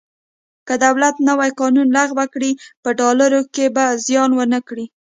که دولت نوی قانون لغوه کړي په ډالرو کې به زیان ونه کړي.